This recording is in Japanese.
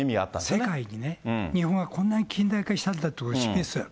世界にね、日本がこんなに近代化したんだというのを示す。